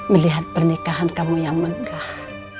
melihat pernikahan kamu yang megah